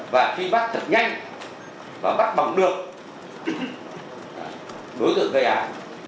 và truy bắt thật nhanh và bắt bỏng được đối tượng gây án